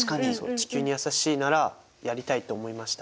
地球に優しいならやりたいと思いました。